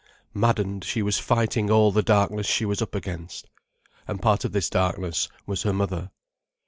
Maddened, she was fighting all the darkness she was up against. And part of this darkness was her mother.